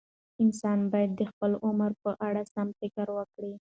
انسانان باید د خپل عمر په اړه سم فکر وکړي.